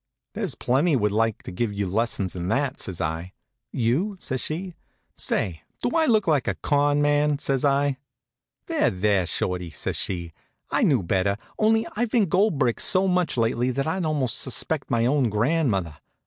"There's plenty would like to give you lessons in that," says I. "You?" says she. "Say, do I look like a con. man?" says I. "There, there, Shorty!" says she. "I knew better, only I've been gold bricked so much lately that I'd almost suspect my own grandmother.